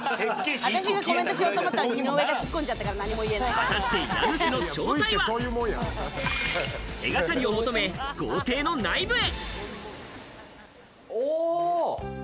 果たして家主の正体とは？手掛かりを求め豪邸の内部へ。